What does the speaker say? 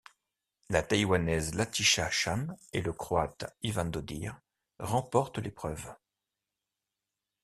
La Taïwanaise Latisha Chan et le Croate Ivan Dodig remportent l'épreuve.